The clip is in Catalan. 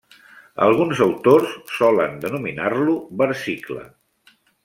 Alguns autors solen denominar-lo versicle.